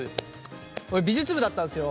俺美術部だったんですよ。